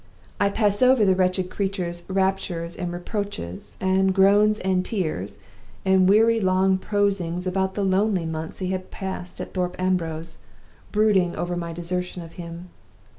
"I pass over the wretched old creature's raptures and reproaches, and groans and tears, and weary long prosings about the lonely months he had passed at Thorpe Ambrose, brooding over my desertion of him.